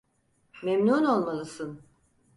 Memnun olmalısın.